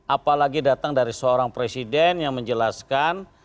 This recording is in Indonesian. apalagi datang dari seorang presiden yang menjelaskan